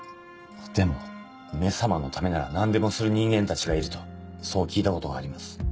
でも「め様」のためなら何でもする人間たちがいるとそう聞いたことがあります。